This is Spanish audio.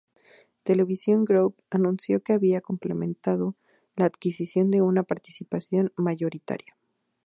Television Group anunció que había completado la adquisición de una participación mayoritaria.